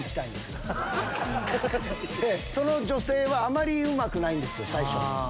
その女性はあまりうまくないんです最初。